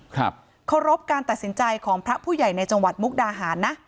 เคารพการตัดสินใจของพระผู้ใหญ่ในจังหวัดมุกดาหารนะ